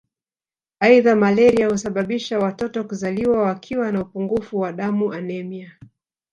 Aidha malaria husababisha watoto kuzaliwa wakiwa na upungufu wa damu anemia